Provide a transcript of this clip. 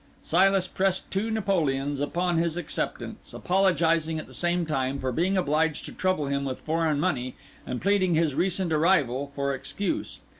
Silas pressed two Napoleons upon his acceptance, apologising, at the same time, for being obliged to trouble him with foreign money, and pleading his recent arrival for excuse.